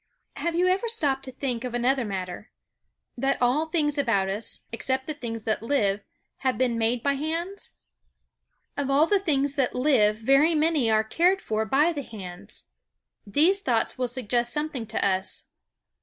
Have you ever stopped to think of another matter: that all things about us, except the things that live, have been made by hands? And of the things that live very many are cared for by the hands. These thoughts will suggest something to us.